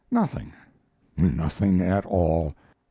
Nothing nothing at all.